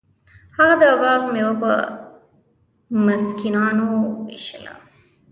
هغه د باغ میوه په مسکینانو ویشله.